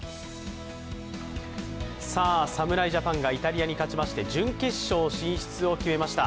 侍ジャパンがイタリアに勝ちまして、準決勝進出を決めました。